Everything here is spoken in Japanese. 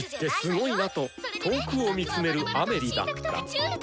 「女子ってすごいな」と遠くを見つめるアメリだった。